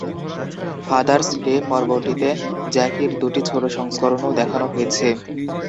'Father's day' পর্বটিতে জ্যাকির দুটি ছোট সংস্করণও দেখানো হয়েছে।